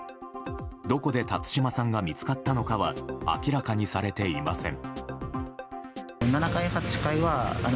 どこで辰島さんが見つかったのかは明らかにされていません。